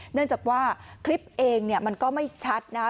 เนื่องจากว่าคลิปเองเนี่ยมันก็ไม่ชัดนะคะ